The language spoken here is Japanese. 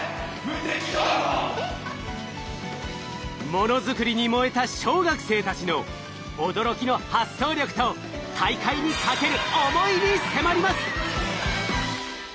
ものづくりに燃えた小学生たちの驚きの発想力と大会にかける思いに迫ります！